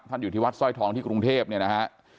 อยู่ที่วัดสร้อยทองที่กรุงเทพเนี่ยนะฮะ